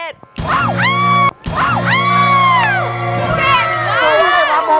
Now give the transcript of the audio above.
ดูคืนครับ